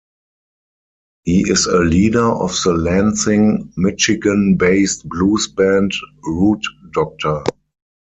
He is a leader of the Lansing, Michigan-based blues band, Root Doctor.